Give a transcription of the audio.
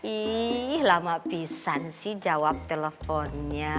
ih lama pisan sih jawab teleponnya